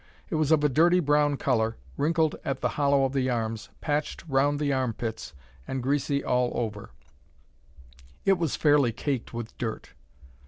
It was of a dirty brown colour, wrinkled at the hollow of the arms, patched round the armpits, and greasy all over; it was fairly caked with dirt!